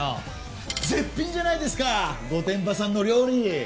絶品じゃないですか御殿場さんの料理！